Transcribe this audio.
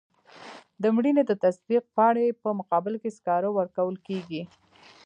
د مړینې د تصدیق پاڼې په مقابل کې سکاره ورکول کیږي.